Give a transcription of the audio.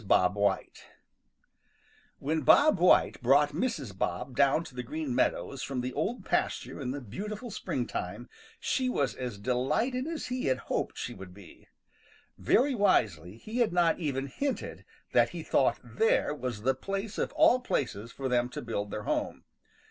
BOB WHITE |WHEN Bob White brought Mrs. Bob down to the Green Meadows from the Old Pasture in the beautiful springtime, she was as delighted as he had hoped she would be. Very wisely he had not even hinted that he thought there was the place of all places for them to build their home.